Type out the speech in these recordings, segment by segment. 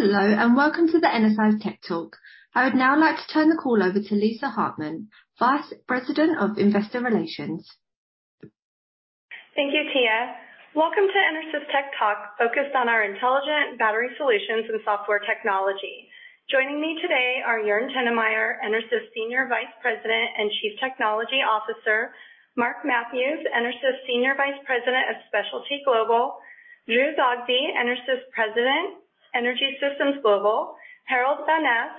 Hello, welcome to the EnerSys Tech Talk. I would now like to turn the call over to Lisa Hartman, Vice President of Investor Relations. Thank you, Tia. Welcome to EnerSys Tech Talk, focused on our intelligent battery solutions and software technology. Joining me today are Jørn Tonnemyr, EnerSys Senior Vice President and Chief Technology Officer, Mark Matthews, EnerSys Senior Vice President of Specialty Global, Drew Zogby, EnerSys President, Energy Systems Global, Harold Van Es,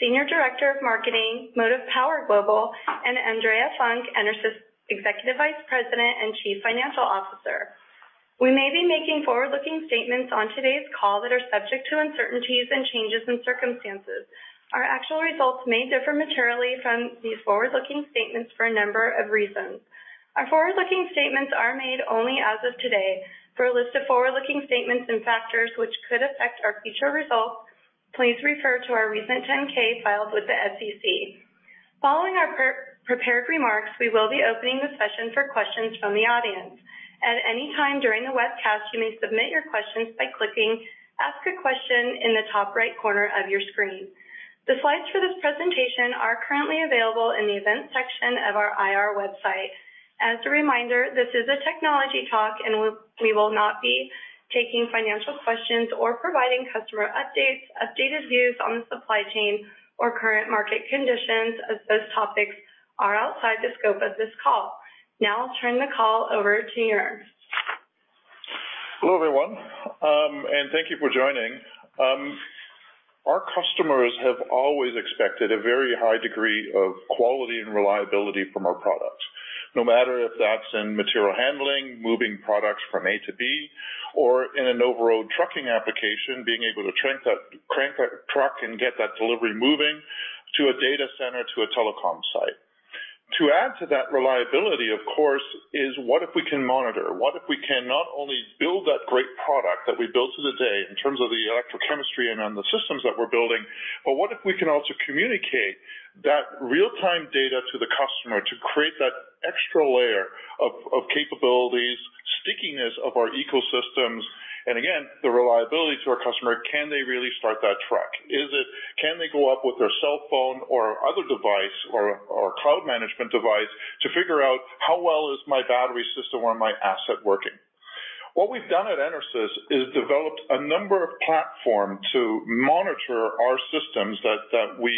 Senior Director of Marketing, Motive Power Global, and Andrea Funk, EnerSys Executive Vice President and Chief Financial Officer. We may be making forward-looking statements on today's call that are subject to uncertainties and changes in circumstances. Our actual results may differ materially from these forward-looking statements for a number of reasons. Our forward-looking statements are made only as of today. For a list of forward-looking statements and factors which could affect our future results, please refer to our recent 10-K filed with the SEC. Following our pre-prepared remarks, we will be opening the session for questions from the audience. At any time during the webcast, you may submit your questions by clicking Ask a Question in the top right corner of your screen. The slides for this presentation are currently available in the Events section of our IR website. As a reminder, this is a technology talk and we will not be taking financial questions or providing customer updates, updated views on the supply chain or current market conditions, as those topics are outside the scope of this call. Now I'll turn the call over to Jørn. Hello, everyone, and thank you for joining. Our customers have always expected a very high degree of quality and reliability from our products. No matter if that's in material handling, moving products from A to B or in an over-the-road trucking application, being able to crank that truck and get that delivery moving to a data center to a telecom site. To add to that reliability, of course, is what if we can monitor? What if we can not only build that great product that we built to the day in terms of the electrochemistry and on the systems that we're building, but what if we can also communicate that real-time data to the customer to create that extra layer of capabilities, stickiness of our ecosystems, and again, the reliability to our customer. Can they really start that truck? Can they go up with their cell phone or other device or cloud management device to figure out how well is my battery system or my asset working? What we've done at EnerSys is developed a number of platform to monitor our systems that we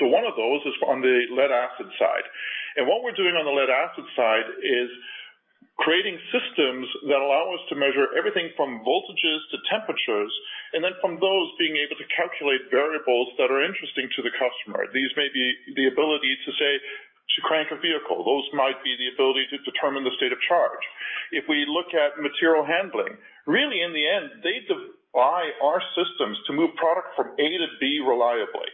develop. One of those is on the lead-acid side. What we're doing on the lead-acid side is creating systems that allow us to measure everything from voltages to temperatures, and then from those, being able to calculate variables that are interesting to the customer. These may be the ability to, say, to crank a vehicle. Those might be the ability to determine the state of charge. If we look at material handling, really, in the end, they buy our systems to move product from A to B reliably.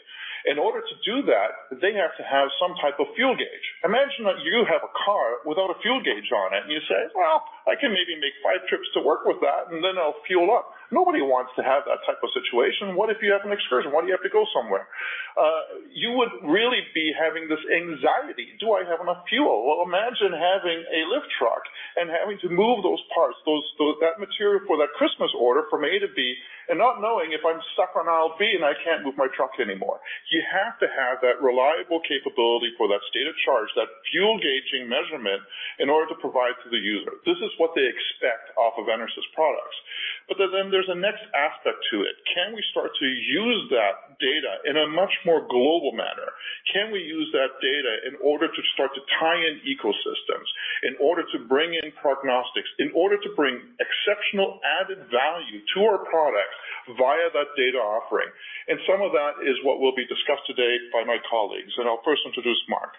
In order to do that, they have to have some type of fuel gauge. Imagine that you have a car without a fuel gauge on it, and you say, "Well, I can maybe make five trips to work with that, and then I'll fuel up." Nobody wants to have that type of situation. What if you have an excursion? What if you have to go somewhere? You would really be having this anxiety. Do I have enough fuel? Well, imagine having a lift truck and having to move those parts, those, so that material for that Christmas order from A to B, and not knowing if I'm stuck on aisle B and I can't move my truck anymore. You have to have that reliable capability for that state of charge, that fuel gauging measurement in order to provide to the user. This is what they expect off of EnerSys products. There's a next aspect to it. Can we start to use that data in a much more global manner? Can we use that data in order to start to tie in ecosystems, in order to bring in prognostics, in order to bring exceptional added value to our products via that data offering? Some of that is what will be discussed today by my colleagues. I'll first introduce Mark.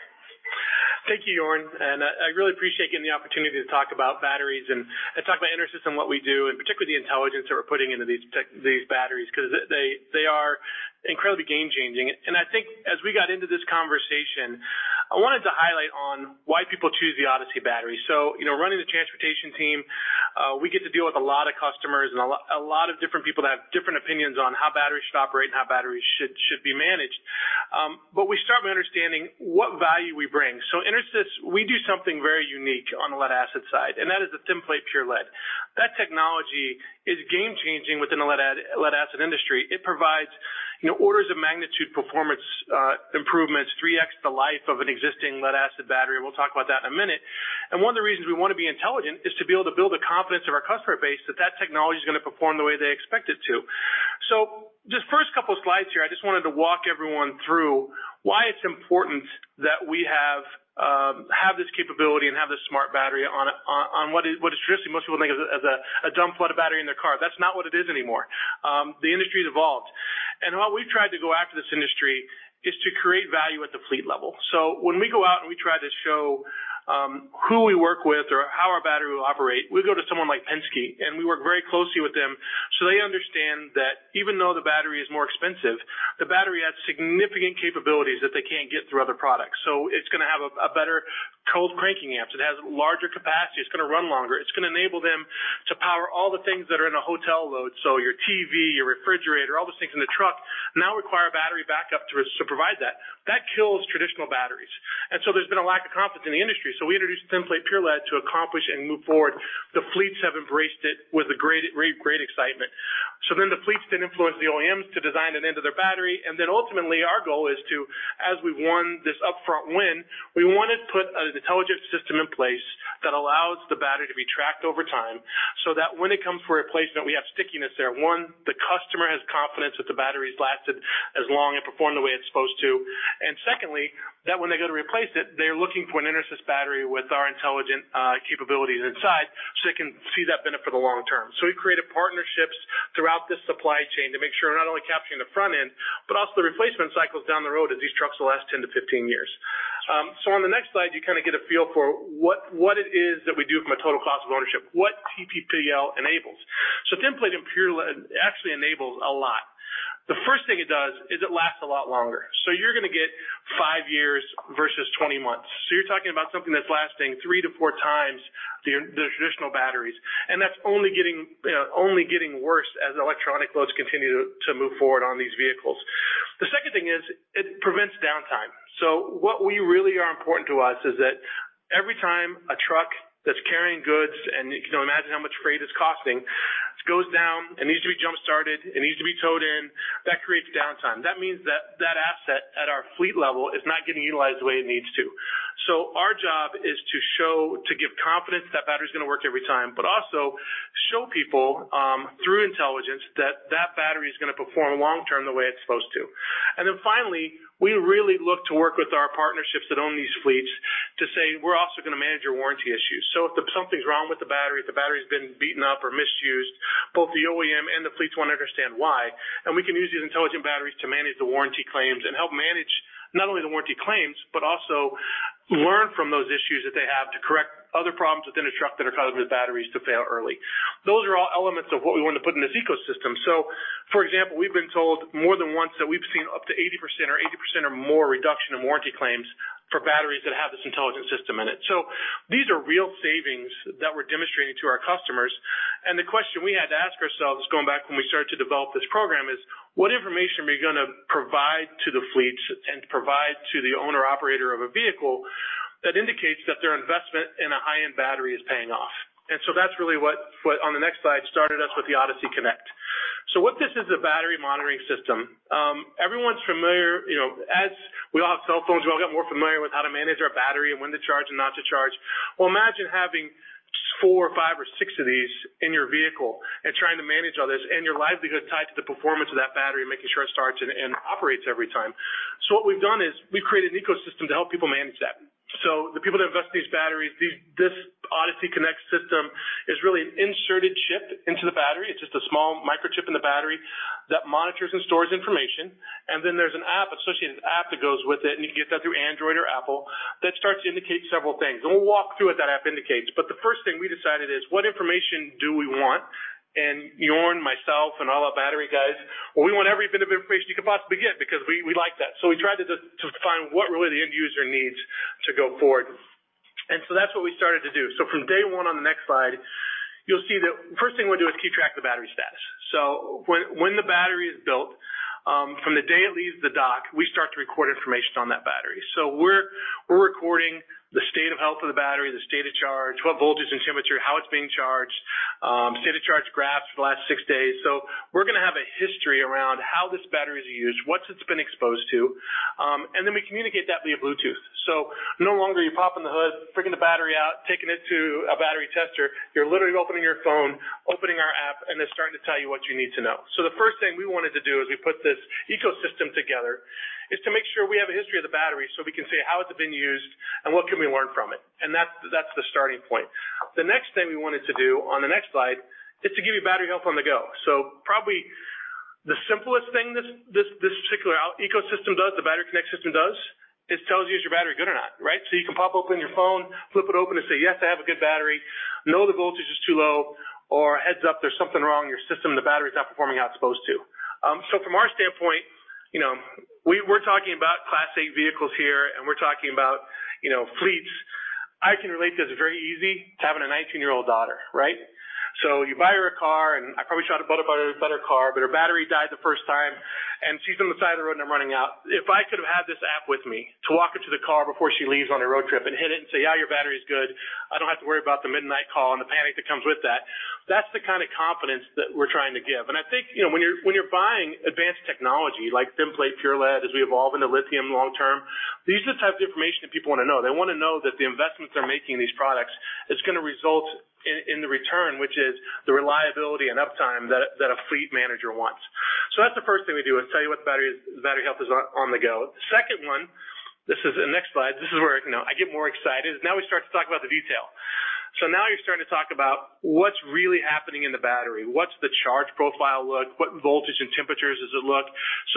Thank you, Jørn. I really appreciate getting the opportunity to talk about batteries and talk about EnerSys and what we do, and particularly the intelligence that we're putting into these batteries, 'cause they are incredibly game-changing. I think as we got into this conversation, I wanted to highlight on why people choose the ODYSSEY battery. You know, running the transportation team, we get to deal with a lot of customers and a lot of different people that have different opinions on how batteries should operate and how batteries should be managed. We start by understanding what value we bring. EnerSys, we do something very unique on the lead-acid side, and that is the Thin Plate Pure Lead. That technology is game-changing within the lead-acid industry. It provides, you know, orders of magnitude, performance, improvements, 3x the life of an existing lead-acid battery, and we'll talk about that in a minute. One of the reasons we wanna be intelligent is to be able to build the confidence of our customer base that that technology is gonna perform the way they expect it to. This first couple of slides here, I just wanted to walk everyone through why it's important that we have this capability and have this smart battery on what is traditionally most people think of as a, as a dumb flood battery in their car. That's not what it is anymore. The industry's evolved, and how we've tried to go after this industry is to create value at the fleet level. When we go out and we try to show who we work with or how our battery will operate, we go to someone like Penske, and we work very closely with them so they understand that even though the battery is more expensive, the battery has significant capabilities that they can't get through other products. It's gonna have a better cold cranking amps. It has larger capacity. It's gonna run longer. It's gonna enable them to power all the things that are in a hotel load. Your TV, your refrigerator, all those things in the truck now require battery backup to provide that. That kills traditional batteries. There's been a lack of confidence in the industry. We introduced Thin Plate Pure Lead to accomplish and move forward. The fleets have embraced it with a great excitement. The fleets then influence the OEMs to design it into their battery. Ultimately, our goal is to, as we've won this upfront win, we wanna put an intelligent system in place that allows the battery to be tracked over time, so that when it comes for replacement, we have stickiness there. One, the customer has confidence that the battery's lasted as long and performed the way it's supposed to. Secondly, that when they go to replace it, they're looking for an EnerSys battery with our intelligent capabilities inside, so they can see that benefit long-term. We've created partnerships throughout the supply chain to make sure we're not only capturing the front end, but also the replacement cycles down the road, as these trucks will last 10-15 years. On the next slide, you kinda get a feel for what it is that we do from a total cost of ownership, what TPPL enables. Thin Plate and Pure Lead actually enables a lot. The first thing it does is it lasts a lot longer. You're gonna get 5 years versus 20 months. You're talking about something that's lasting 3 to 4 times the traditional batteries. That's only getting worse as electronic loads continue to move forward on these vehicles. The second thing is it prevents downtime. What we really are important to us is that every time a truck that's carrying goods, and you can imagine how much freight it's costing, it goes down, it needs to be jump-started, it needs to be towed in, that creates downtime. That means that that asset at our fleet level is not getting utilized the way it needs to. Our job is to show, to give confidence that battery is gonna work every time, but also show people, through intelligence that that battery is gonna perform long-term the way it's supposed to. Finally, we really look to work with our partnerships that own these fleets to say, "We're also gonna manage your warranty issues." If something's wrong with the battery, if the battery's been beaten up or misused, both the OEM and the fleets wanna understand why. We can use these intelligent batteries to manage the warranty claims and help manage not only the warranty claims, but also learn from those issues that they have to correct other problems within a truck that are causing the batteries to fail early. Those are all elements of what we wanna put in this ecosystem. For example, we've been told more than once that we've seen up to 80% or more reduction in warranty claims for batteries that have this intelligent system in it. These are real savings that we're demonstrating to our customers. The question we had to ask ourselves going back when we started to develop this program is, what information are we gonna provide to the fleets and provide to the owner-operator of a vehicle that indicates that their investment in a high-end battery is paying off? That's really what, on the next slide, started us with the ODYSSEY Connect. What this is a battery monitoring system. Everyone's familiar, you know, as we all have cell phones, we all got more familiar with how to manage our battery and when to charge and not to charge. Imagine having four or five or six of these in your vehicle and trying to manage all this, and your livelihood tied to the performance of that battery, making sure it starts and operates every time. What we've done is we've created an ecosystem to help people manage that. The people that invest these batteries, this ODYSSEY Connect system is really an inserted chip into the battery. It's just a small microchip in the battery that monitors and stores information. Then there's an app, associated app that goes with it, and you can get that through Android or Apple, that starts to indicate several things. We'll walk through what that app indicates. The first thing we decided is, what information do we want? Jørn, myself, and all our battery guys, well, we want every bit of information you can possibly get because we like that. We tried to just, to find what really the end user needs to go forward. That's what we started to do. From day one on the next slide, you'll see that first thing we do is keep track of the battery status. When the battery is built, from the day it leaves the dock, we start to record information on that battery. We're recording the state of health of the battery, the state of charge, what voltage and temperature, how it's being charged, state of charge graphs for the last six days. We're gonna have a history around how this battery is used, what it's been exposed to, and then we communicate that via Bluetooth. No longer are you popping the hood, freaking the battery out, taking it to a battery tester. You're literally opening your phone, opening our app, and it's starting to tell you what you need to know. The first thing we wanted to do as we put this ecosystem together is to make sure we have a history of the battery, so we can say, how has it been used and what can we learn from it? That's the starting point. The next thing we wanted to do on the next slide is to give you battery health on the go. Probably the simplest thing this particular out-ecosystem does, the Battery Connect system does, is tells you, is your battery good or not, right? You can pop open your phone, flip it open, and say, "Yes, I have a good battery. No, the voltage is too low," or, "Heads up, there's something wrong in your system, the battery's not performing how it's supposed to." From our standpoint, you know, we're talking about Class 8 vehicles here, and we're talking about, you know, fleets. I can relate to this very easy to having a 19-year-old daughter, right? You buy her a car, and I probably should have bought a better car, but her battery died the first time, and she's on the side of the road, and I'm running out. If I could have had this app with me to walk her to the car before she leaves on a road trip and hit it and say, "Yeah, your battery is good." I don't have to worry about the midnight call and the panic that comes with that. That's the kind of confidence that we're trying to give. I think, you know, when you're buying advanced technology like Thin Plate Pure Lead, as we evolve into lithium long term, these are the type of information that people wanna know. They wanna know that the investments they're making in these products is gonna result in the return, which is the reliability and uptime that a fleet manager wants. That's the first thing we do, is tell you what the battery is, battery health is on the go. The second one, this is the next slide. This is where, you know, I get more excited, is now we start to talk about the detail. Now you're starting to talk about what's really happening in the battery. What's the charge profile look? What voltage and temperatures does it look?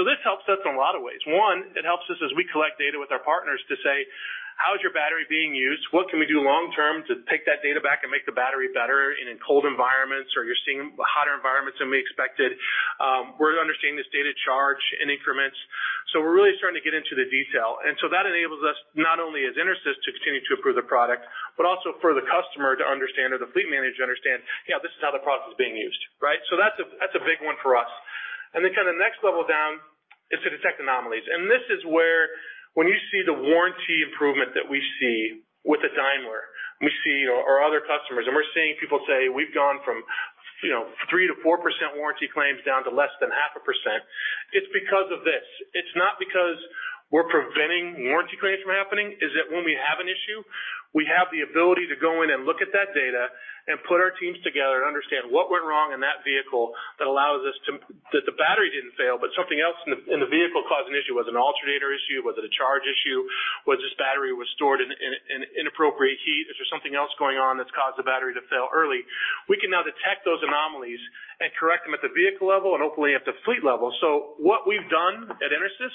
This helps us in a lot of ways. One, it helps us as we collect data with our partners to say, "How is your battery being used? What can we do long term to take that data back and make the battery better in cold environments, or you're seeing hotter environments than we expected?" We're understanding the state of charge in increments. We're really starting to get into the detail. That enables us not only as EnerSys to continue to improve the product, but also for the customer to understand or the fleet manager to understand, yeah, this is how the product is being used, right? That's a, that's a big one for us. Then kind of next level down is to detect anomalies. This is where when you see the warranty improvement that we see with a Daimler, we see or other customers, and we're seeing people say, we've gone from, you know, 3%-4% warranty claims down to less than half a %. It's because of this. It's not because we're preventing warranty claims from happening. Is that when we have an issue, we have the ability to go in and look at that data and put our teams together to understand what went wrong in that vehicle that allows us to... The battery didn't fail, but something else in the vehicle caused an issue. Was it an alternator issue? Was it a charge issue? Was this battery stored in inappropriate heat? Is there something else going on that's caused the battery to fail early? We can now detect those anomalies and correct them at the vehicle level and hopefully at the fleet level. What we've done at EnerSys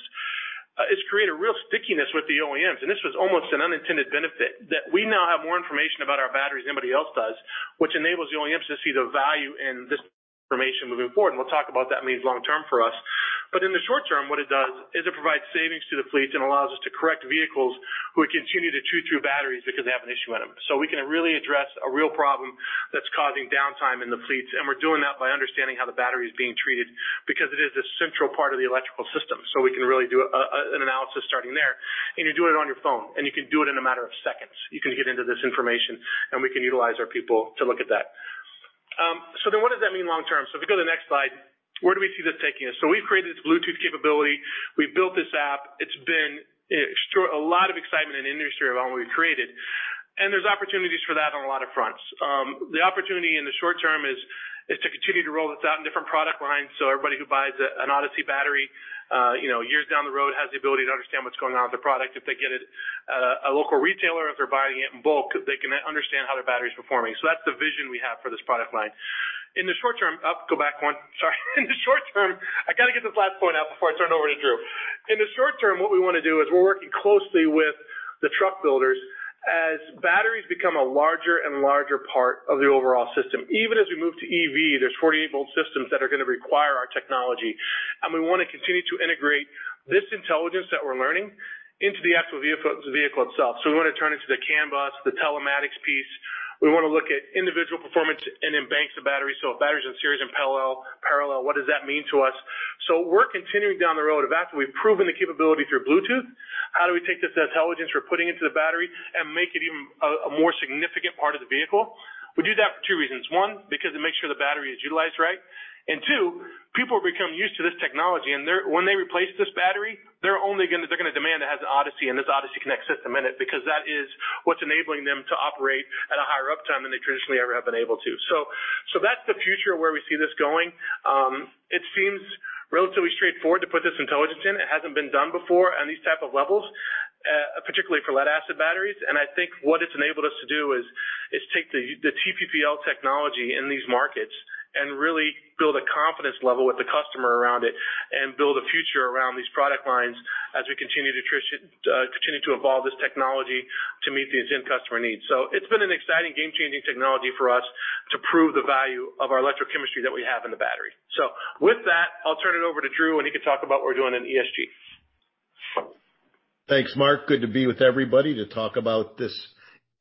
is create a real stickiness with the OEMs, and this was almost an unintended benefit, that we now have more information about our batteries than anybody else does, which enables the OEMs to see the value in this information moving forward. We'll talk about that means long-term for us. In the short term, what it does is it provides savings to the fleet and allows us to correct vehicles who continue to chew through batteries because they have an issue in them. We can really address a real problem that's causing downtime in the fleets, and we're doing that by understanding how the battery is being treated because it is a central part of the electrical system. We can really do an analysis starting there, and you do it on your phone, and you can do it in a matter of seconds. You can get into this information, and we can utilize our people to look at that. What does that mean long term? If you go to the next slide, where do we see this taking us? We've created this Bluetooth capability. We've built this app. It's been a lot of excitement in the industry around what we've created, and there's opportunities for that on a lot of fronts. The opportunity in the short term is to continue to roll this out in different product lines, so everybody who buys an ODYSSEY battery, you know, years down the road, has the ability to understand what's going on with their product. If they get it at a local retailer, if they're buying it in bulk, they can understand how their battery is performing. That's the vision we have for this product line. In the short term. Go back one. Sorry. In the short term. I gotta get this last point out before I turn it over to Drew. In the short term, what we wanna do is we're working closely with the truck builders as batteries become a larger and larger part of the overall system. Even as we move to EV, there's 48 volt systems that are gonna require our technology. We wanna continue to integrate this intelligence that we're learning into the actual vehicle itself. We wanna turn it to the CAN bus, the telematics piece. We wanna look at individual performance and in banks of batteries. If batteries in series and parallel, what does that mean to us? We're continuing down the road of after we've proven the capability through Bluetooth, how do we take this intelligence we're putting into the battery and make it even a more significant part of the vehicle? We do that for two reasons. One, because it makes sure the battery is utilized right. Two, people become used to this technology, and when they replace this battery, they're only gonna demand it has an ODYSSEY and this ODYSSEY Connect system in it, because that is what's enabling them to operate at a higher uptime than they traditionally ever have been able to. That's the future where we see this going. It seems relatively straightforward to put this intelligence in. It hasn't been done before on these type of levels, particularly for lead-acid batteries. I think what it's enabled us to do is take the TPPL technology in these markets and really build a confidence level with the customer around it and build a future around these product lines as we continue to evolve this technology to meet the end customer needs. It's been an exciting game-changing technology for us to prove the value of our electrochemistry that we have in the battery. With that, I'll turn it over to Drew, and he can talk about what we're doing in ESG. Thanks, Mark. Good to be with everybody to talk about this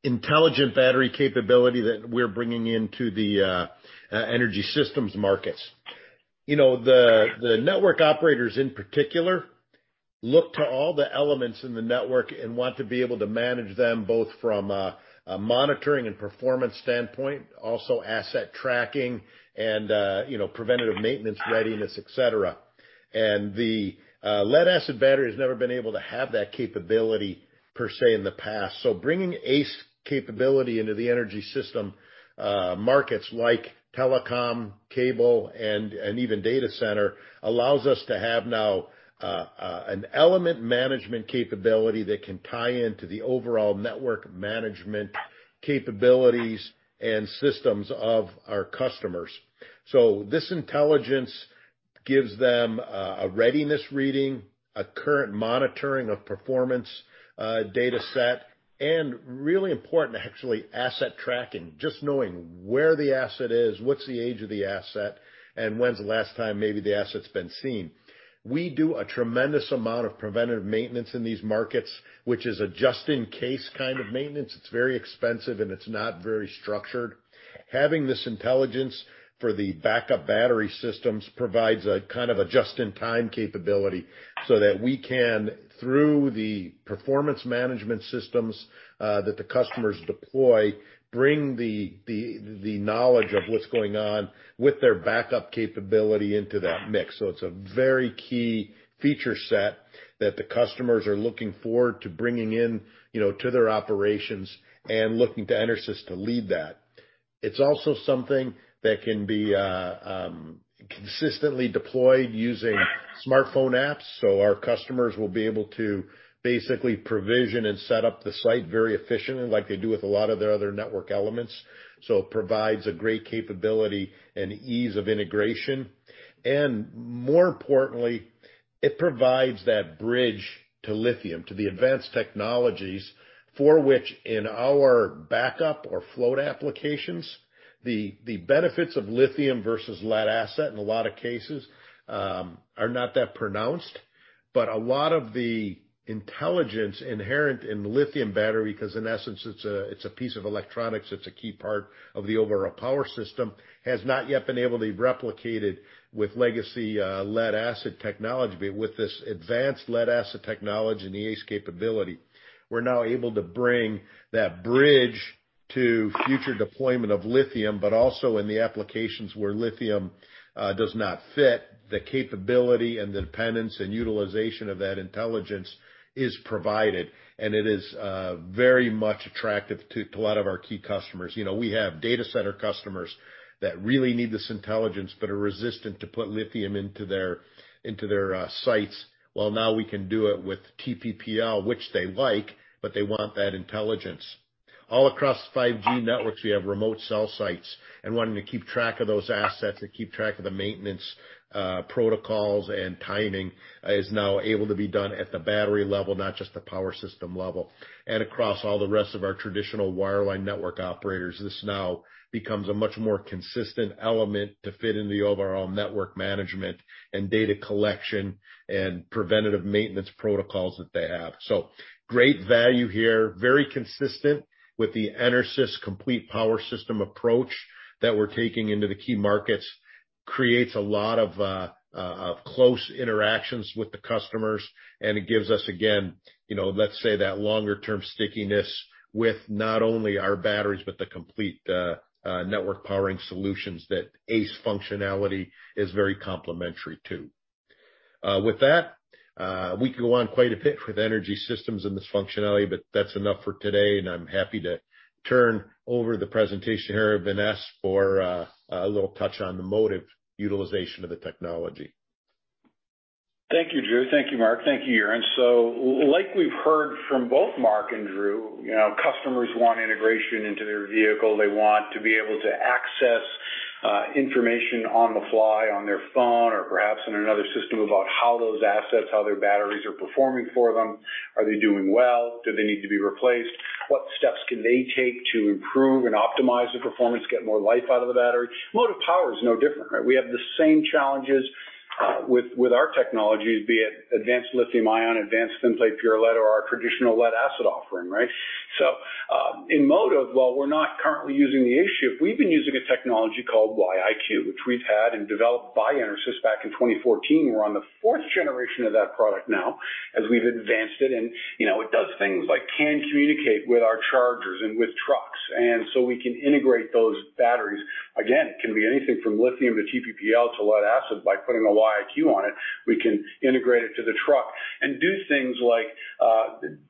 intelligent battery capability that we're bringing into the Energy Systems markets. You know, the network operators, in particular, look to all the elements in the network and want to be able to manage them both from a monitoring and performance standpoint, also asset tracking and, you know, preventative maintenance readiness, et cetera. The lead-acid battery has never been able to have that capability per se in the past. Bringing ACE capability into the Energy Systems markets like telecom, cable, and even data center, allows us to have now an element management capability that can tie into the overall network management capabilities and systems of our customers. This intelligence gives them a readiness reading, a current monitoring of performance dataset, and really important actually, asset tracking, just knowing where the asset is, what's the age of the asset, and when's the last time maybe the asset's been seen. We do a tremendous amount of preventative maintenance in these markets, which is a just-in-case kind of maintenance. It's very expensive, and it's not very structured. Having this intelligence for the backup battery systems provides a kind of a just-in-time capability, so that we can, through the performance management systems that the customers deploy, bring the knowledge of what's going on with their backup capability into that mix. It's a very key feature set that the customers are looking forward to bringing in, you know, to their operations and looking to EnerSys to lead that. It's also something that can be consistently deployed using smartphone apps. Our customers will be able to basically provision and set up the site very efficiently like they do with a lot of their other network elements. It provides a great capability and ease of integration. More importantly, it provides that bridge to lithium, to the advanced technologies for which in our backup or float applications, the benefits of lithium versus lead-acid in a lot of cases are not that pronounced, but a lot of the intelligence inherent in lithium battery, 'cause in essence it's a piece of electronics, it's a key part of the overall power system, has not yet been able to be replicated with legacy lead-acid technology. With this advanced lead-acid technology and the ACE capability, we're now able to bring that bridge to future deployment of lithium, but also in the applications where lithium does not fit, the capability and the dependence and utilization of that intelligence is provided, and it is very much attractive to a lot of our key customers. You know, we have data center customers that really need this intelligence but are resistant to put lithium into their sites. Well, now we can do it with TPPL, which they like, but they want that intelligence. All across 5G networks, we have remote cell sites, and wanting to keep track of those assets and keep track of the maintenance protocols and timing is now able to be done at the battery level, not just the power system level. Across all the rest of our traditional wireline network operators, this now becomes a much more consistent element to fit into the overall network management and data collection and preventative maintenance protocols that they have. Great value here. Very consistent with the EnerSys complete power system approach that we're taking into the key markets. Creates a lot of close interactions with the customers, and it gives us, again, you know, let's say that longer term stickiness with not only our batteries, but the complete network powering solutions that ACE functionality is very complementary to. With that, we could go on quite a bit with energy systems and this functionality, but that's enough for today, and I'm happy to turn over the presentation here to Vanessa for a little touch on the motive utilization of the technology. Thank you, Drew. Thank you, Mark. Thank you, Aaron. Like we've heard from both Mark and Drew, you know, customers want integration into their vehicle. They want to be able to access information on the fly on their phone or perhaps in another system about how those assets, how their batteries are performing for them. Are they doing well? Do they need to be replaced? What steps can they take to improve and optimize the performance, get more life out of the battery? Motive power is no different, right? We have the same challenges with our technologies, be it advanced lithium-ion, advanced Thin Plate Pure Lead, or our traditional lead-acid offering, right? In motive, while we're not currently using the issue, we've been using a technology called Wi-iQ, which we've had and developed by EnerSys back in 2014. We're on the fourth generation of that product now, as we've advanced it and, you know, it does things like can communicate with our chargers and with trucks, and so we can integrate those batteries. Again, it can be anything from lithium to TPPL to lead-acid. By putting a Wi-iQ on it, we can integrate it to the truck and do things like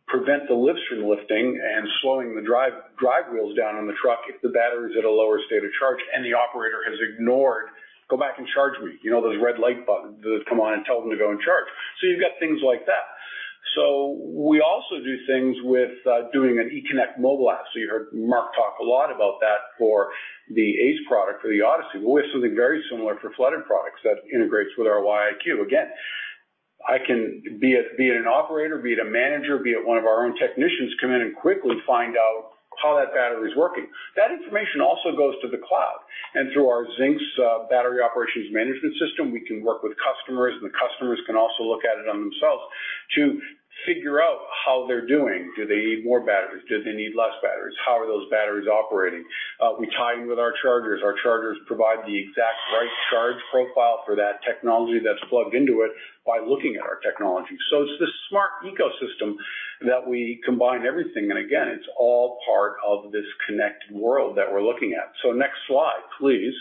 prevent the lifts from lifting and slowing the drive wheels down on the truck if the battery's at a lower state of charge and the operator has ignored, "Go back and charge me." You know, those red light buttons that come on and tell them to go and charge. You've got things like that. We also do things with doing an E Connect mobile app. You heard Mark talk a lot about that for the ACE product, for the ODYSSEY. We have something very similar for flooded products that integrates with our Wi-iQ. Again, I can, be it an operator, be it a manager, be it one of our own technicians, come in and quickly find out how that battery's working. That information also goes to the cloud. Through our Xinx battery operations management system, we can work with customers, and the customers can also look at it on themselves to figure out how they're doing. Do they need more batteries? Do they need less batteries? How are those batteries operating? We tie in with our chargers. Our chargers provide the exact right charge profile for that technology that's plugged into it by looking at our technology. It's this smart ecosystem that we combine everything. Again, it's all part of this connected world that we're looking at. Next slide, please.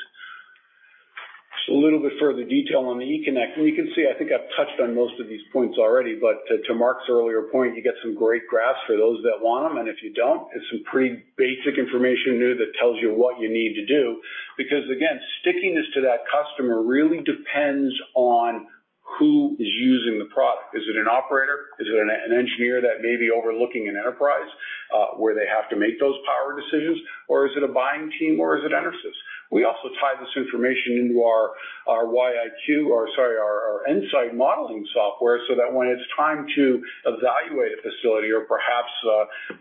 Just a little bit further detail on the E Connect. You can see, I think I've touched on most of these points already, but to Mark's earlier point, you get some great graphs for those that want them. If you don't, it's some pretty basic information in there that tells you what you need to do because, again, stickiness to that customer really depends on who is using the product. Is it an operator? Is it an engineer that may be overlooking an enterprise, where they have to make those power decisions? Is it a buying team or is it EnerSys? We also tie this information into our Wi-iQ or sorry, our EnSite modeling software, so that when it's time to evaluate a facility or perhaps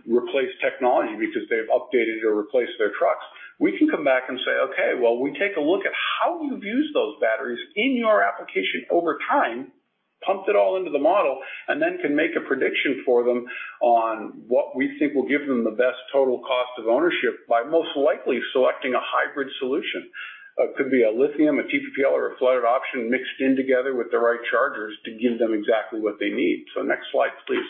replace technology because they've updated or replaced their trucks, we can come back and say, "Okay, well, we take a look at how you've used those batteries in your application over time," pump it all into the model, and then can make a prediction for them on what we think will give them the best total cost of ownership by most likely selecting a hybrid solution. Could be a lithium, a TPPL, or a flooded option mixed in together with the right chargers to give them exactly what they need. Next slide, please.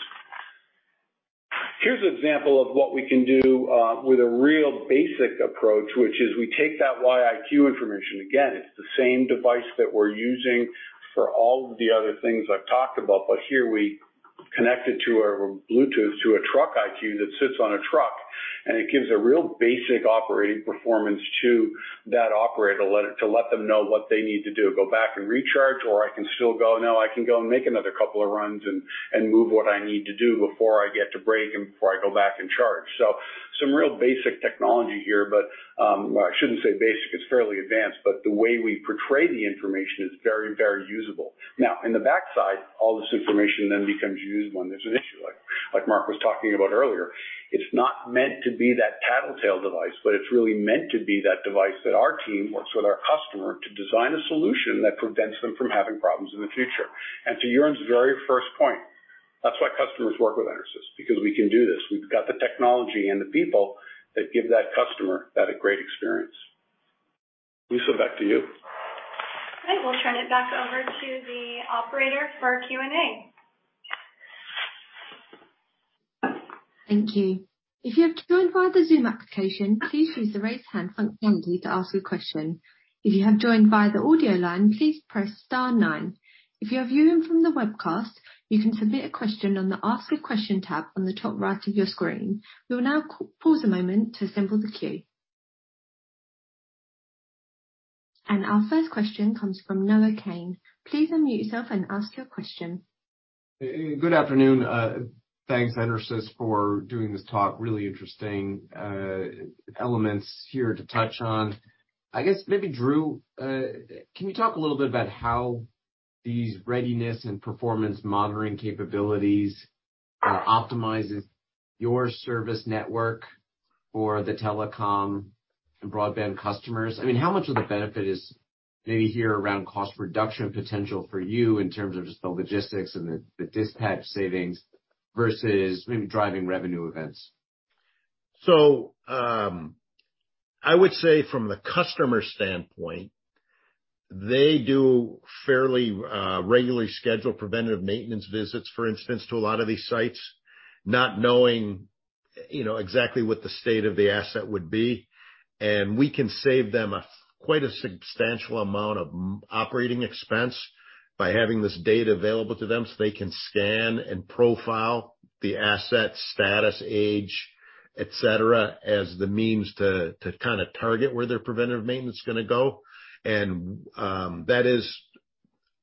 Here's an example of what we can do with a real basic approach, which is we take that Wi-iQ information. Again, it's the same device that we're using for all of the other things I've talked about, but here we connect it to our Bluetooth to a Truck iQ that sits on a truck, and it gives a real basic operating performance to that operator to let them know what they need to do. Go back and recharge, or I can still go, "No, I can go and make another couple of runs and move what I need to do before I get to break and before I go back and charge." Some real basic technology here, but, well I shouldn't say basic, it's fairly advanced, but the way we portray the information is very, very usable. In the backside, all this information then becomes used when there's an issue like. Like Mark was talking about earlier, it's not meant to be that tattletale device, but it's really meant to be that device that our team works with our customer to design a solution that prevents them from having problems in the future. To Jørn's very first point, that's why customers work with EnerSys, because we can do this. We've got the technology and the people that give that customer that great experience. Lisa, back to you. All right, we'll turn it back over to the operator for Q&A. Thank you. If you have joined via the Zoom application, please use the raise hand function to ask your question. If you have joined via the audio line, please press star nine. If you are viewing from the webcast, you can submit a question on the Ask a Question tab on the top right of your screen. We will now pause a moment to assemble the queue. Our first question comes from Noah Kaye. Please unmute yourself and ask your question. Good afternoon. Thanks EnerSys for doing this talk. Really interesting elements here to touch on. I guess maybe Drew, can you talk a little bit about how these readiness and performance monitoring capabilities optimizes your service network for the telecom and broadband customers? I mean, how much of the benefit is maybe here around cost reduction potential for you in terms of just the logistics and the dispatch savings versus maybe driving revenue events? I would say from the customer standpoint, they do fairly regularly scheduled preventative maintenance visits, for instance, to a lot of these sites, not knowing, you know, exactly what the state of the asset would be. We can save them quite a substantial amount of operating expense by having this data available to them, so they can scan and profile the asset status, age, et cetera, as the means to target where their preventative maintenance is gonna go. That is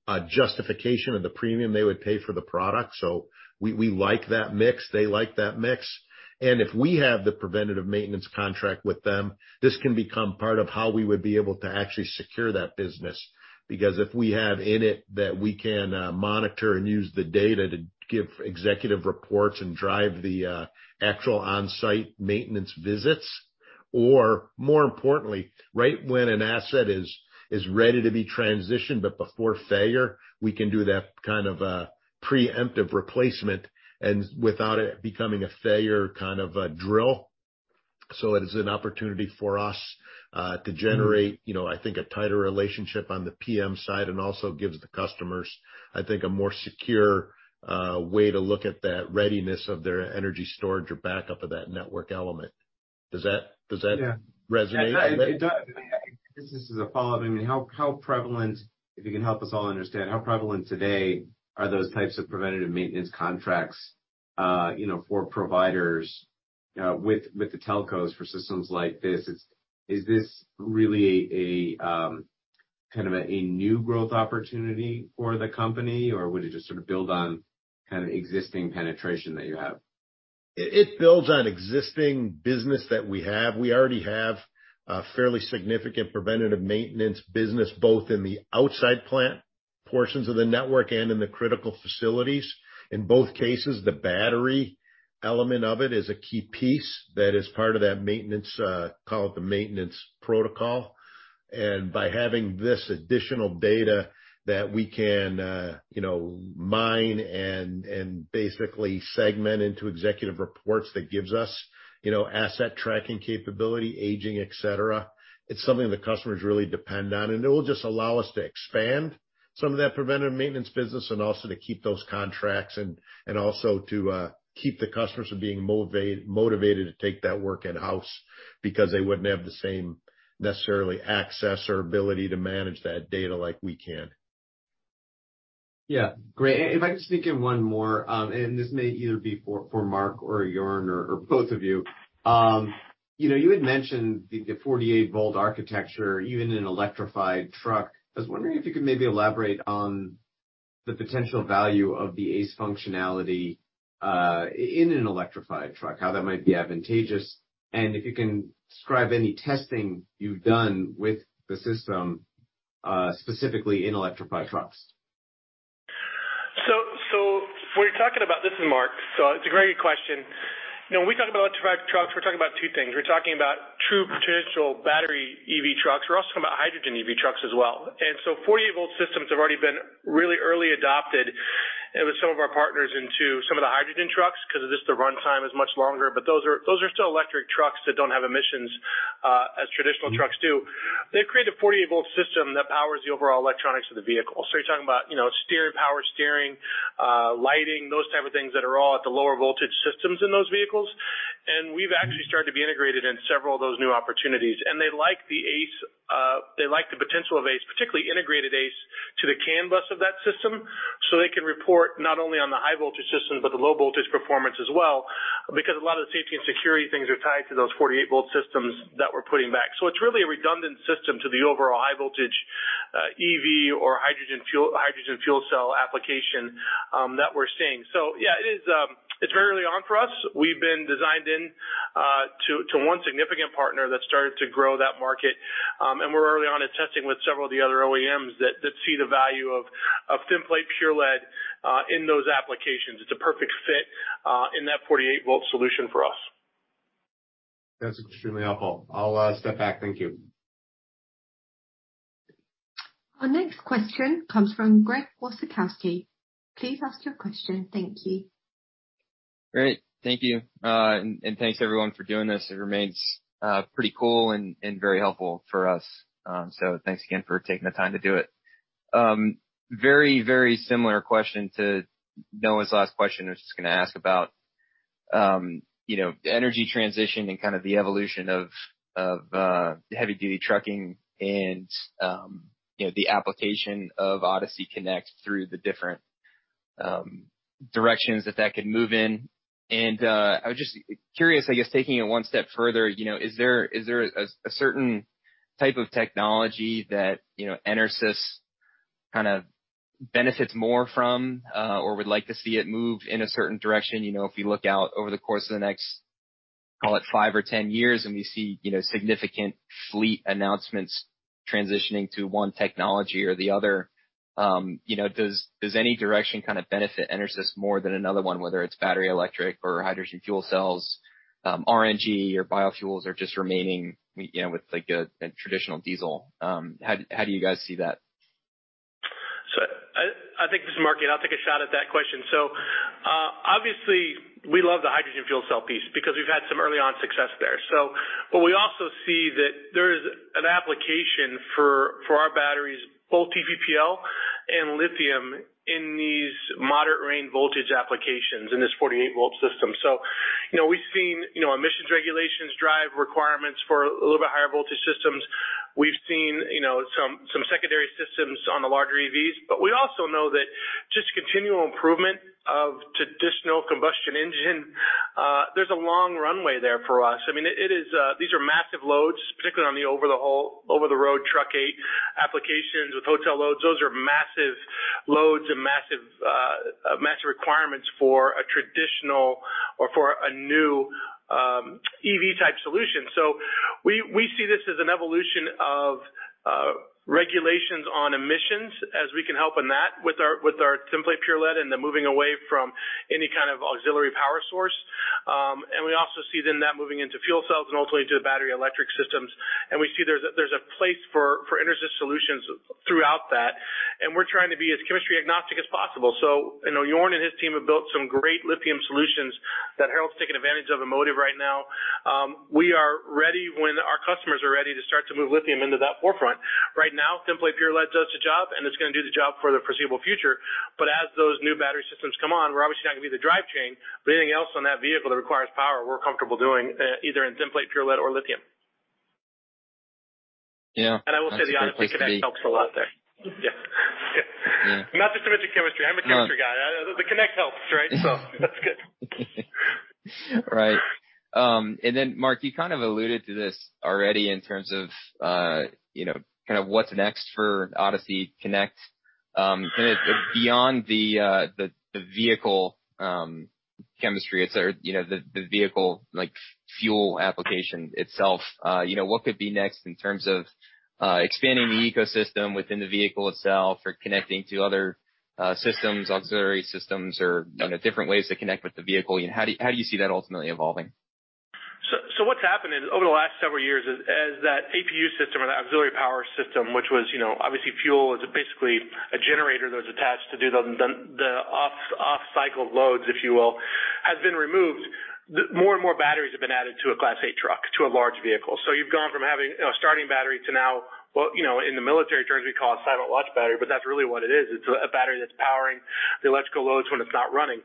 a justification of the premium they would pay for the product. We like that mix. They like that mix. If we have the preventative maintenance contract with them, this can become part of how we would be able to actually secure that business. If we have in it that we can monitor and use the data to give executive reports and drive the actual on-site maintenance visits, or more importantly, right when an asset is ready to be transitioned but before failure, we can do that kind of preemptive replacement and without it becoming a failure kind of drill. It is an opportunity for us to generate, you know, I think a tighter relationship on the PM side and also gives the customers, I think, a more secure way to look at that readiness of their energy storage or backup of that network element. Does that- Yeah. -resonate with you? It does. This is a follow-up. I mean, how prevalent, if you can help us all understand, how prevalent today are those types of preventative maintenance contracts, you know, for providers, with the telcos for systems like this? Is this really a kind of a new growth opportunity for the company, or would it just sort of build on kind of existing penetration that you have? It builds on existing business that we have. We already have a fairly significant preventative maintenance business, both in the outside plant portions of the network and in the critical facilities. In both cases, the battery element of it is a key piece that is part of that maintenance, call it the maintenance protocol. By having this additional data that we can, you know, mine and basically segment into executive reports, that gives us, you know, asset tracking capability, aging, et cetera, it's something the customers really depend on, and it will just allow us to expand some of that preventative maintenance business and also to keep those contracts and also to keep the customers from being motivated to take that work in-house because they wouldn't have the same necessarily access or ability to manage that data like we can. Yeah, great. If I can sneak in one more, this may either be for Mark or Jørn or both of you. You know, you had mentioned the 48 volt architecture, even in an electrified truck. I was wondering if you could maybe elaborate on the potential value of the ACE functionality, in an electrified truck, how that might be advantageous, and if you can describe any testing you've done with the system, specifically in electrified trucks. This is Mark. It's a great question. You know, when we talk about electrified trucks, we're talking about two things. We're talking about true potential battery EV trucks. We're also talking about hydrogen EV trucks as well. 48 volt systems have already been really early adopted with some of our partners into some of the hydrogen trucks 'cause just the runtime is much longer. Those are still electric trucks that don't have emissions as traditional trucks do. They've created a 48 volt system that powers the overall electronics of the vehicle. You're talking about, you know, steering, power steering, lighting, those type of things that are all at the lower voltage systems in those vehicles. We've actually started to be integrated in several of those new opportunities. They like the ACE, they like the potential of ACE, particularly integrated ACE, to the CAN bus of that system, so they can report not only on the high voltage system, but the low voltage performance as well, because a lot of the safety and security things are tied to those 48 volt systems that we're putting back. It's really a redundant system to the overall high voltage EV or hydrogen fuel, hydrogen fuel cell application that we're seeing. Yeah, it is, it's very early on for us. We've been designed in to one significant partner that's started to grow that market, and we're early on in testing with several of the other OEMs that see the value of Thin Plate Pure Lead in those applications. It's a perfect fit, in that 48 volt solution for us. That's extremely helpful. I'll step back. Thank you. Our next question comes from Gregory Wasikowski. Please ask your question. Thank you. Great. Thank you. Thanks everyone for doing this. It remains pretty cool and very helpful for us. Thanks again for taking the time to do it. Very, very similar question to Noah's last question. I was just gonna ask about, you know, the energy transition and kind of the evolution of heavy duty trucking and, you know, the application of ODYSSEY Connect through the different directions that that could move in. I was just curious, I guess taking it one step further, you know, is there a certain type of technology that, you know, EnerSys kind of benefits more from, or would like to see it move in a certain direction? You know, if you look out over the course of the next, call it 5 or 10 years, and you see, you know, significant fleet announcements transitioning to one technology or the other, you know, does any direction kind of benefit EnerSys more than another one, whether it's battery, electric or hydrogen fuel cells, RNG or biofuels or just remaining, you know, with like a traditional diesel? How do you guys see that? I think this is Mark here, and I'll take a shot at that question. Obviously we love the hydrogen fuel cell piece because we've had some early on success there. We also see that there is an application for our batteries, both TPL and lithium in these moderate range voltage applications in this 48 volt system. You know, we've seen, you know, emissions regulations drive requirements for a little bit higher voltage systems. We've seen, you know, some secondary systems on the larger EVs. We also know that just continual improvement of traditional combustion engine, there's a long runway there for us. I mean, it is, these are massive loads, particularly on the over the road truck eight applications with hotel loads. Those are massive loads and massive requirements for a traditional or for a new, EV type solution. We see this as an evolution of regulations on emissions as we can help in that with our, with our Thin Plate Pure Lead and the moving away from any kind of auxiliary power source. We also see then that moving into fuel cells and ultimately to the battery electric systems. We see there's a, there's a place for EnerSys solutions throughout that. We're trying to be as chemistry agnostic as possible. I know Jørn and his team have built some great lithium solutions that Harold's taking advantage of in Motive right now. We are ready when our customers are ready to start to move lithium into that forefront. Right now, template pure lead does the job and it's gonna do the job for the foreseeable future. As those new battery systems come on, we're obviously not gonna be the drive chain, but anything else on that vehicle that requires power, we're comfortable doing either in template pure lead or lithium. Yeah. I will say the ODYSSEY Connect helps a lot there. Yeah. Yeah. Yeah. I'm not just a Mr. Chemistry. I'm a chemistry guy. The Connect helps, right? That's good. Right. Mark, you kind of alluded to this already in terms of, you know, kind of what's next for ODYSSEY Connect. kind of beyond the, the vehicle, chemistry itself, you know, the vehicle like fuel application itself. you know, what could be next in terms of, expanding the ecosystem within the vehicle itself or connecting to other, systems, auxiliary systems or, you know, different ways to connect with the vehicle? You know, how do you, how do you see that ultimately evolving? What's happened is over the last several years as that APU system or that auxiliary power system, which was, you know, obviously fuel is basically a generator that was attached to do the off cycle loads, if you will, has been removed. More and more batteries have been added to a Class 8 truck, to a large vehicle. You've gone from having a starting battery to now, well, you know, in the military terms we call a silent watch battery, but that's really what it is. It's a battery that's powering the electrical loads when it's not running.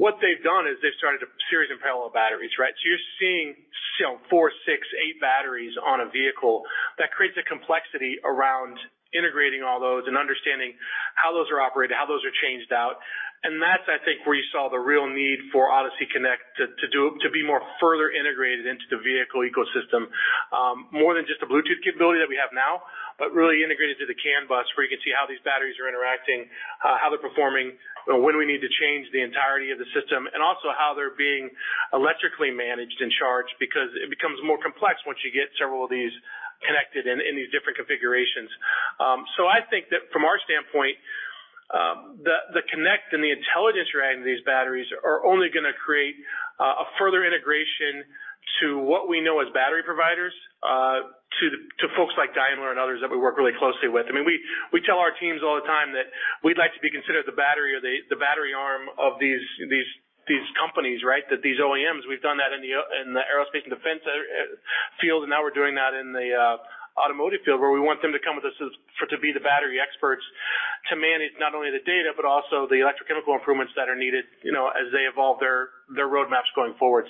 What they've done is they've started a series of parallel batteries, right? You're seeing, you know, four, six, eight batteries on a vehicle. That creates a complexity around integrating all those and understanding how those are operated, how those are changed out. That's, I think, where you saw the real need for ODYSSEY Connect to be more further integrated into the vehicle ecosystem, more than just the Bluetooth capability that we have now, but really integrated to the CAN bus, where you can see how these batteries are interacting, how they're performing, when we need to change the entirety of the system, and also how they're being electrically managed and charged. It becomes more complex once you get several of these connected in these different configurations. I think that from our standpoint, the connect and the intelligence we're adding to these batteries are only gonna create a further integration to what we know as battery providers to folks like Daimler and others that we work really closely with. I mean, we tell our teams all the time that we'd like to be considered the battery or the battery arm of these companies, right? These OEMs, we've done that in the Aerospace and Defense field, now we're doing that in the automotive field, where we want them to come with us to be the battery experts to manage not only the data, but also the electrochemical improvements that are needed, you know, as they evolve their roadmaps going forward.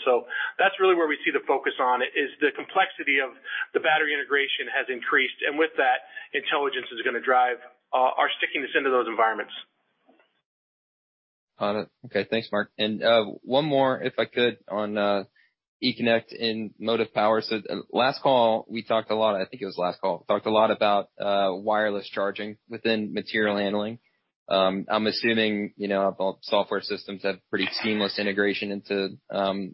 That's really where we see the focus on, is the complexity of the battery integration has increased. With that, intelligence is gonna drive our stickiness into those environments. Got it. Okay, thanks, Mark. One more, if I could, on E Connect and Motive Power. Last call, we talked a lot, I think it was last call, talked a lot about wireless charging within material handling. I'm assuming, you know, software systems have pretty seamless integration into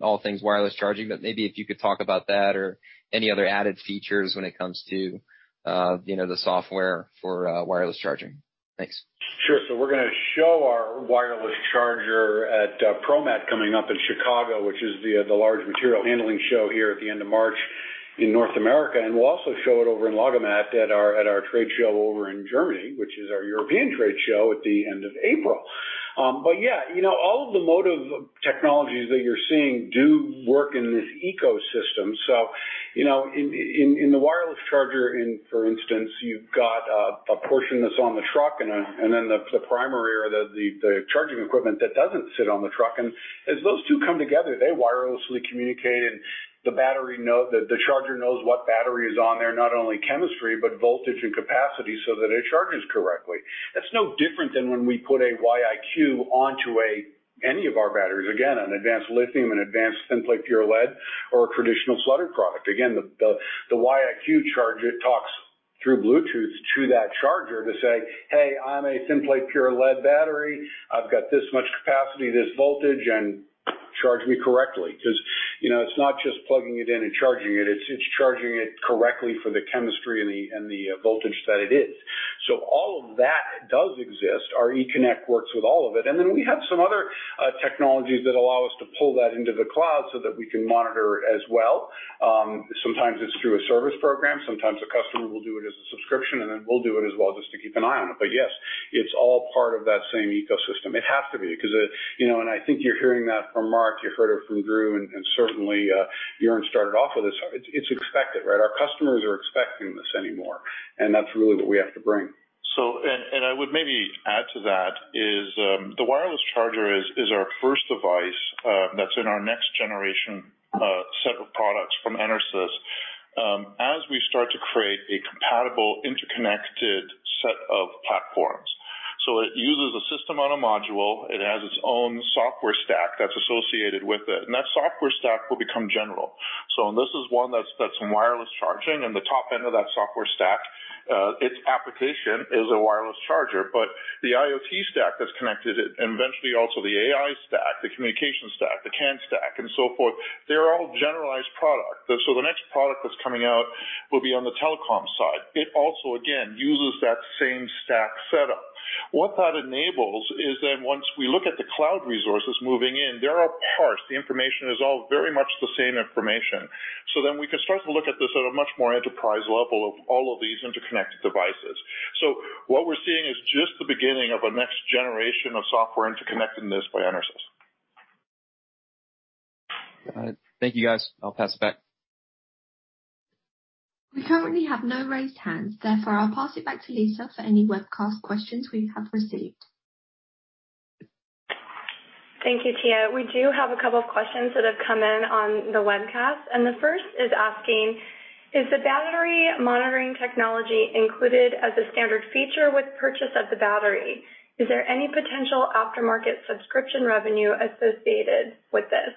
all things wireless charging, but maybe if you could talk about that or any other added features when it comes to, you know, the software for wireless charging. Thanks. Sure. We're gonna show our wireless charger at ProMat, coming up in Chicago, which is the large material handling show here at the end of March in North America. We'll also show it over in LogiMAT at our trade show over in Germany, which is our European trade show at the end of April. Yeah, you know, all of the motive technologies that you're seeing do work in this ecosystem. You know, in the wireless charger, for instance, you've got a portion that's on the truck and then the primary or the charging equipment that doesn't sit on the truck. As those two come together, they wirelessly communicate and the battery know... The charger knows what battery is on there, not only chemistry, but voltage and capacity so that it charges correctly. That's no different than when we put a Wi-iQ onto any of our batteries. Again, an advanced lithium, an advanced Thin Plate Pure Lead or a traditional flooded product. Again, the Wi-iQ charger talks through Bluetooth to that charger to say, "Hey, I'm a Thin Plate Pure Lead battery. I've got this much capacity, this voltage, and charge me correctly." 'Cause, you know, it's not just plugging it in and charging it. It's charging it correctly for the chemistry and the voltage that it is. All of that does exist. Our E Connect works with all of it. We have some other technologies that allow us to pull that into the cloud so that we can monitor as well. Sometimes it's through a service program, sometimes a customer will do it as a subscription, we'll do it as well just to keep an eye on it. Yes, it's all part of that same ecosystem. It has to be 'cause, you know, I think you're hearing that from Mark, you heard it from Drew, certainly, Jeroen started off with this. It's expected, right? Our customers are expecting this anymore, that's really what we have to bring. I would maybe add to that is, the wireless charger is our first device that's in our next generation set of products from EnerSys, as we start to create a compatible, interconnected set of platforms. It uses a System-on-Module. It has its own software stack that's associated with it, and that software stack will become general. This is one that's in wireless charging and the top end of that software stack, its application is a wireless charger. The IoT stack that's connected it and eventually also the AI stack, the communication stack, the CAN stack and so forth, they're all generalized product. The next product that's coming out will be on the telecom side. It also, again, uses that same stack setup. What that enables is then once we look at the cloud resources moving in, they're all parsed. The information is all very much the same information. We can start to look at this at a much more enterprise level of all of these interconnected devices. What we're seeing is just the beginning of a next generation of software interconnectedness by EnerSys. All right. Thank you, guys. I'll pass it back. We currently have no raised hands, therefore I'll pass it back to Lisa for any webcast questions we have received. Thank you, Tia. We do have a couple of questions that have come in on the webcast. The first is asking, is the battery monitoring technology included as a standard feature with purchase of the battery? Is there any potential aftermarket subscription revenue associated with this?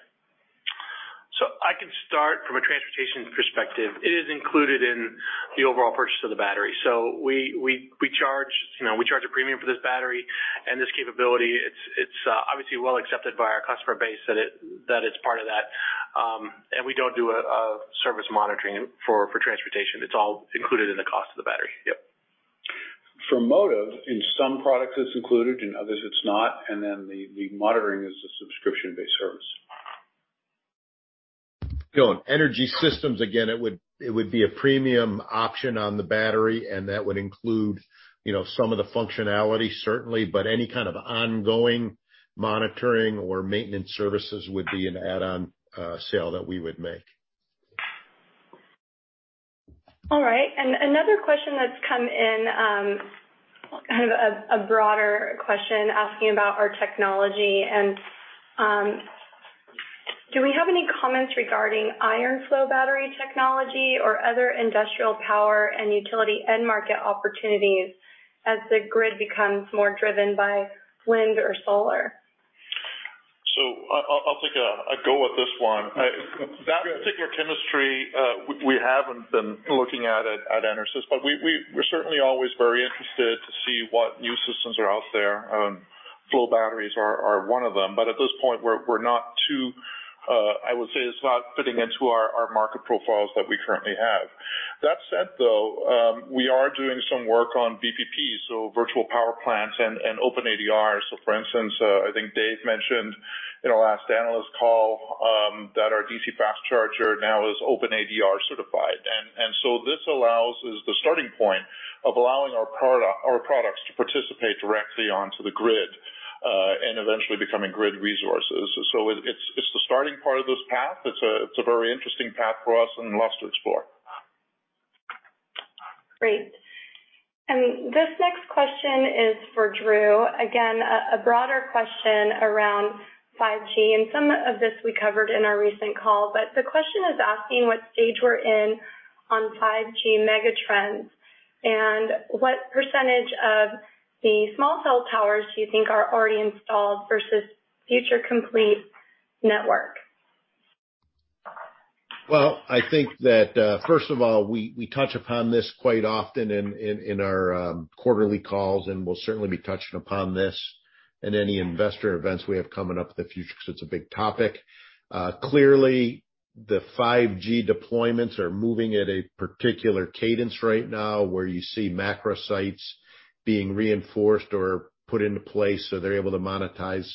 I can start from a transportation perspective. It is included in the overall purchase of the battery. We charge, you know, a premium for this battery and this capability. It's obviously well accepted by our customer base that it's part of that. We don't do a service monitoring for transportation. It's all included in the cost of the battery. Yep. For Motive, in some products it's included, in others it's not, and then the monitoring is a subscription-based service. Phil, in Energy Systems, again, it would be a premium option on the battery, and that would include, you know, some of the functionality certainly, but any kind of ongoing monitoring or maintenance services would be an add-on, sale that we would make. All right. another question that's come in, kind of a broader question asking about our technology and, do we have any comments regarding iron flow battery technology or other industrial power and utility end market opportunities as the grid becomes more driven by wind or solar? I'll take a go at this one. That particular chemistry, we haven't been looking at it at EnerSys, but we're certainly always very interested to see what new systems are out there. Flow batteries are one of them, but at this point we're not too, I would say it's not fitting into our market profiles that we currently have. That said, though, we are doing some work on VPP, so virtual power plants and OpenADR. For instance, I think Dave mentioned in our last analyst call that our DC fast charger now is OpenADR certified. This allows as the starting point of allowing our products to participate directly onto the grid and eventually becoming grid resources. It's the starting part of this path. It's a very interesting path for us and lots to explore. Great. This next question is for Drew. Again, a broader question around 5G, and some of this we covered in our recent call, but the question is asking what stage we're in on 5G megatrends and what % of the small cell towers do you think are already installed versus future complete network? I think that, first of all, we touch upon this quite often in our quarterly calls, and we'll certainly be touching upon this in any investor events we have coming up in the future 'cause it's a big topic. The 5G deployments are moving at a particular cadence right now where you see macro sites being reinforced or put into place so they're able to monetize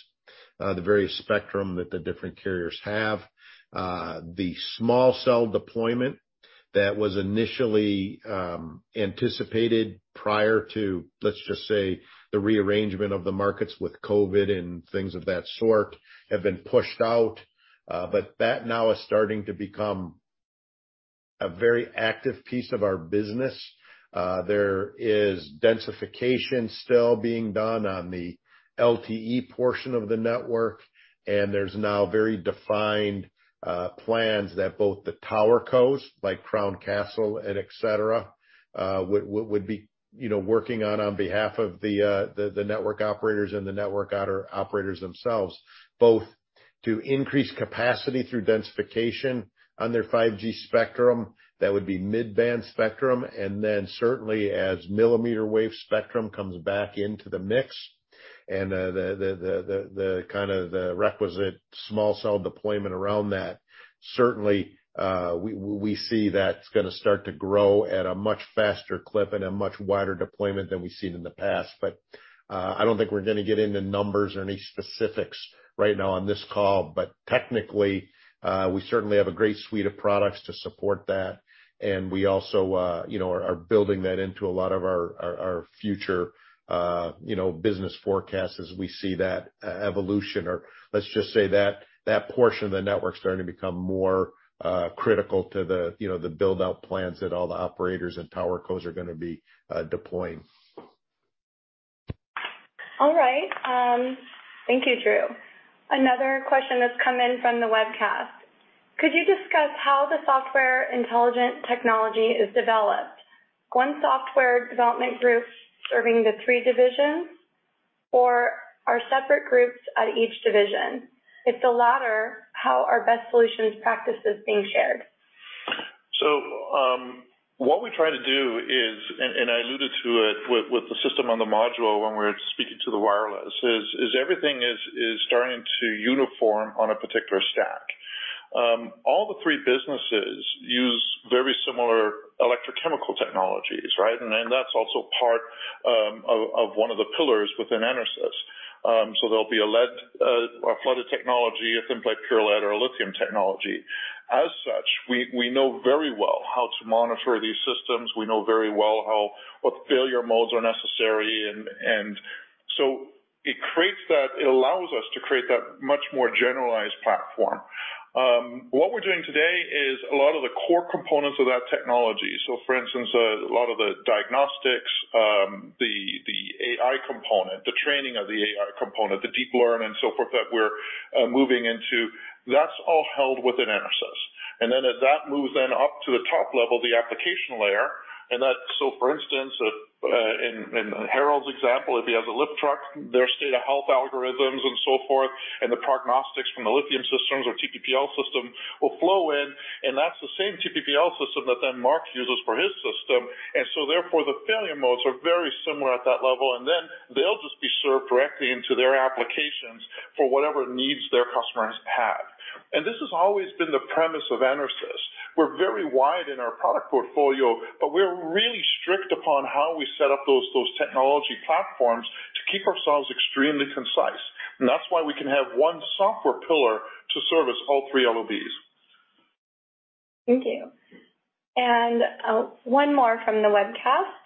the various spectrum that the different carriers have. The small cell deployment that was initially anticipated prior to, let's just say, the rearrangement of the markets with COVID and things of that sort have been pushed out. That now is starting to become a very active piece of our business. There is densification still being done on the LTE portion of the network, and there's now very defined plans that both the tower cos like Crown Castle and et cetera would be, you know, working on behalf of the network operators and the network operators themselves, both to increase capacity through densification on their 5G spectrum, that would be mid-band spectrum, and then certainly as millimeter wave spectrum comes back into the mix and the kind of the requisite small cell deployment around that. Certainly, we see that's gonna start to grow at a much faster clip and a much wider deployment than we've seen in the past. I don't think we're gonna get into numbers or any specifics right now on this call. Technically, we certainly have a great suite of products to support that, and we also, you know, are building that into a lot of our future, you know, business forecast as we see that e-evolution or let's just say that that portion of the network's starting to become more critical to the, you know, the build-out plans that all the operators and tower cos are gonna be deploying. All right. Thank you, Drew. Another question that's come in from the webcast. Could you discuss how the software intelligent technology is developed? One software development group serving the three divisions or are separate groups at each division? If the latter, how are best solutions practices being shared? What we try to do is, and I alluded to it with the System-on-Module when we're speaking to the wireless, everything is starting to uniform on a particular stack. All three businesses use very similar electrochemical technologies, right? That's also part of one of the pillars within EnerSys. There'll be a lead or flooded technology, a Thin Plate Pure Lead or a lithium technology. As such, we know very well how to monitor these systems. We know very well what failure modes are necessary and so it allows us to create that much more generalized platform. What we're doing today is a lot of the core components of that technology. For instance, a lot of the diagnostics, the AI component, the training of the AI component, the deep learn and so forth that we're moving into, that's all held within EnerSys. As that moves then up to the top level, the application layer. For instance, in Harold's example, if he has a lift truck, their state of health algorithms and so forth, and the prognostics from the lithium systems or TPPL system will flow in, and that's the same TPPL system that then Mark uses for his system. Therefore, the failure modes are very similar at that level, and then they'll just be served directly into their applications for whatever needs their customers have. This has always been the premise of EnerSys. We're very wide in our product portfolio, we're really strict upon how we set up those technology platforms to keep ourselves extremely concise. That's why we can have one software pillar to service all three LOBs. Thank you. One more from the webcast.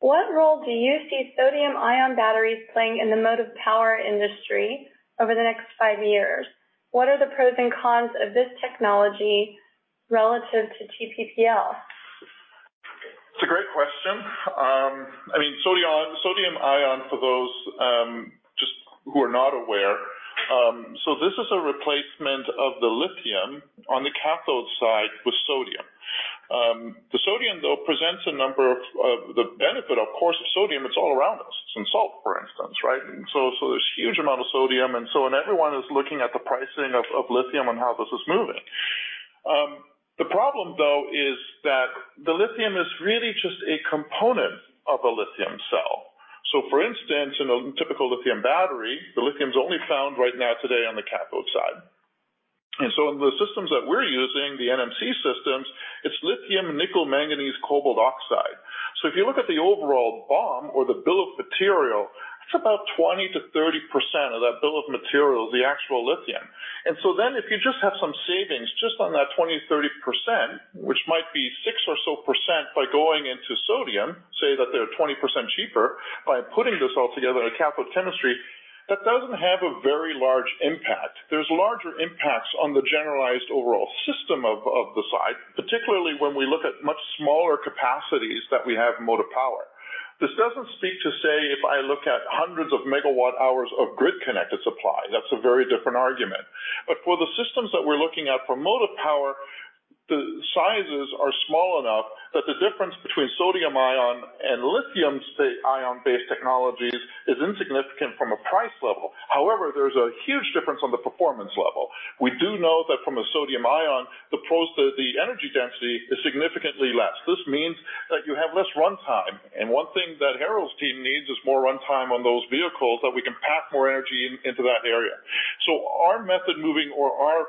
What role do you see sodium-ion batteries playing in the motive power industry over the next five years? What are the pros and cons of this technology relative to TPPL? It's a great question. Sodium ion for those who are not aware. This is a replacement of the lithium on the cathode side with sodium. The sodium, though, presents a number of the benefit, of course, of sodium, it's all around us. It's in salt, for instance, right? There's huge amount of sodium and everyone is looking at the pricing of lithium and how this is moving. The problem, though, is that the lithium is really just a component of a lithium cell. For instance, in a typical lithium battery, the lithium's only found right now today on the cathode side. In the systems that we're using, the NMC systems, it's lithium nickel manganese cobalt oxide. If you look at the overall BOM or the bill of material, it's about 20%-30% of that bill of material is the actual lithium. If you just have some savings just on that 20%-30%, which might be 6% or so by going into sodium, say that they're 20% cheaper by putting this all together in a cathode chemistry, that doesn't have a very large impact. There's larger impacts on the generalized overall system of the side, particularly when we look at much smaller capacities that we have motive power. This doesn't speak to, say, if I look at hundreds of megawatt-hours of grid-connected supply. That's a very different argument. For the systems that we're looking at for motive power, the sizes are small enough that the difference between sodium-ion and lithium-ion based technologies is insignificant from a price level. There's a huge difference on the performance level. We do know that from a sodium-ion, the energy density is significantly less. This means that you have less runtime. One thing that Harold's team needs is more runtime on those vehicles that we can pack more energy in, into that area. Our method moving or our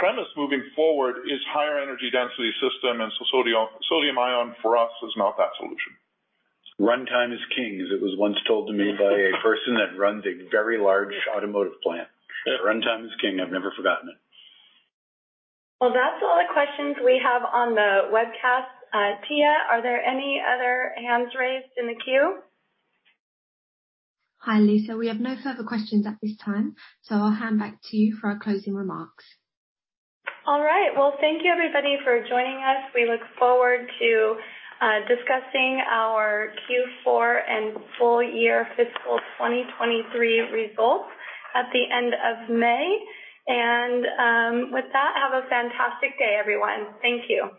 premise moving forward is higher energy density system, and sodium-ion for us is not that solution. Runtime is king, as it was once told to me by a person that runs a very large automotive plant. Yeah. Runtime is king. I've never forgotten it. That's all the questions we have on the webcast. Tia, are there any other hands raised in the queue? Hi, Lisa. We have no further questions at this time, so I'll hand back to you for our closing remarks. All right. Well, thank you everybody for joining us. We look forward to discussing our Q4 and full year fiscal 2023 results at the end of May. With that, have a fantastic day, everyone. Thank you.